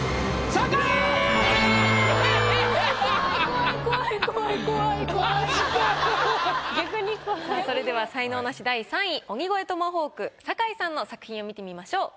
さあそれでは才能ナシ第３位鬼越トマホーク坂井さんの作品を見てみましょう。